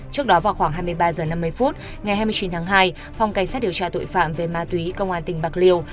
trước đó vào khoảng hai mươi ba h năm mươi phút ngày hai mươi chín tháng hai phòng cảnh sát điều tra tội phạm về ma túy công an tỉnh bạc liêu